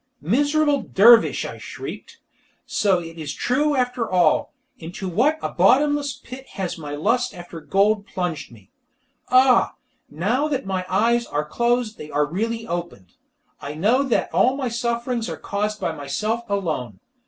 "Miserable dervish!" I shrieked, "so it is true after all! Into what a bottomless pit has my lust after gold plunged me. Ah, now that my eyes are closed they are really opened. I know that all my sufferings are caused by myself alone!